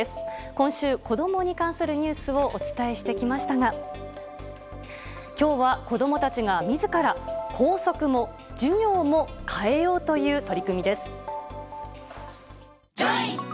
今週、子供に関するニュースをお伝えしてきましたが今日は子供たちが自ら校則も授業も変えようという取り組みです。